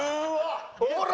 ほら！